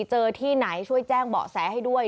ที่ไหนช่วยแจ้งเบาะแสให้ด้วย